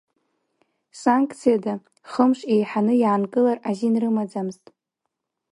Санкциада хымш еиҳаны иаанкылара азин рымаӡамызт.